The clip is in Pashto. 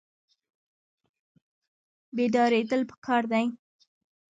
بیداریدل پکار دي